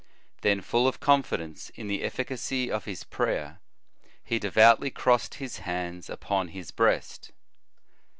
Then, full of confidence in the efficacy of his prayer, he devoutly crossed his hands upon his breast.